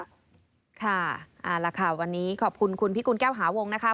ตลอดนะคะค่ะเอาละค่ะวันนี้ขอบคุณคุณพี่คุณแก้วหาวงศ์นะคะ